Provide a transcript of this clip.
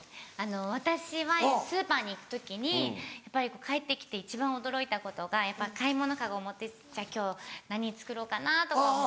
私はスーパーに行く時にやっぱり帰って来て一番驚いたことが買い物カゴ持ってじゃあ今日何作ろうかなとか思って。